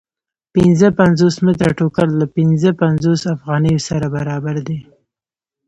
پنځه پنځوس متره ټوکر له پنځه پنځوس افغانیو سره برابر دی